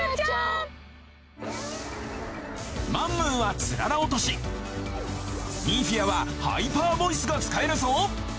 マンムーはつららおとしニンフィアはハイパーボイスが使えるぞ！